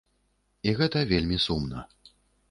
І гэта вельмі сумна.